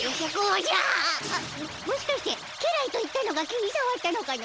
もしかして家来と言ったのが気にさわったのかの？